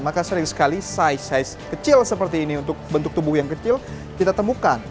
maka sering sekali size size kecil seperti ini untuk bentuk tubuh yang kecil kita temukan